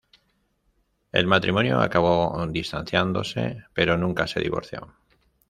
El matrimonio acabó distanciándose, pero nunca se divorció.